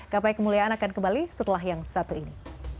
gapai kemuliaan akan kembali setelah yang satu ini